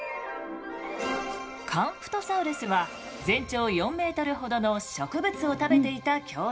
カンプトサウルスは全長４ｍほどの植物を食べていた恐竜。